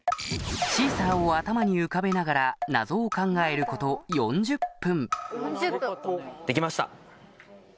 シーサーを頭に浮かべながらナゾを考えること４０分